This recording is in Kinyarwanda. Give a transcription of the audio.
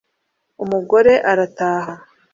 umugore arataha